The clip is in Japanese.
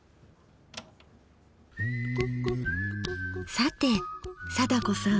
さて貞子さん。